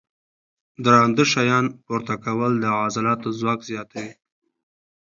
درانده شیان پورته کول د عضلاتو ځواک زیاتوي.